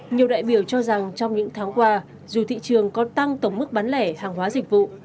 nhiều đại biểu cho rằng trong những tháng qua dù thị trường có tăng tổng mức bán lẻ hàng hóa dịch vụ